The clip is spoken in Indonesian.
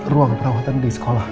ruang perawatan di sekolah